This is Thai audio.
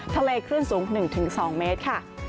คลื่นสูง๑๒เมตรค่ะ